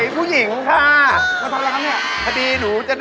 อ๋อลูกตา